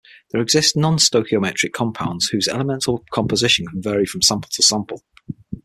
There exist non-stoichiometric compounds whose elemental composition can vary from sample to sample.